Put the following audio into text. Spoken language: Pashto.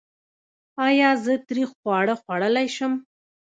ایا زه تریخ خواړه خوړلی شم؟